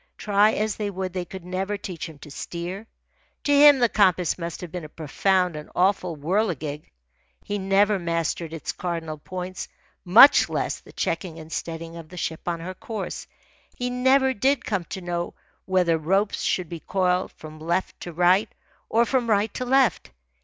Try as they would, they could never teach him to steer. To him the compass must have been a profound and awful whirligig. He never mastered its cardinal points, much less the checking and steadying of the ship on her course. He never did come to know whether ropes should be coiled from left to right or from right to left.